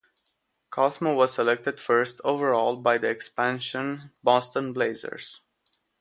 Cosmo was selected first overall by the expansion Boston Blazers.